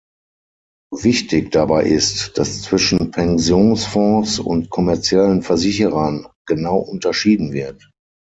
Wichtig dabei ist, dass zwischen Pensionsfonds und kommerziellen Versicherern genau unterschieden wird.